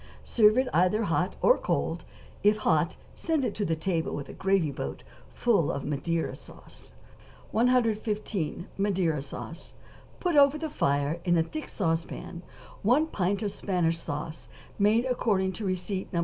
Serve it either hot or cold; if hot send it to the table with a gravy boat full of Madeira sauce. 115. =Madeira Sauce.= Put over the fire in a thick sauce pan one pint of Spanish sauce made according to receipt No.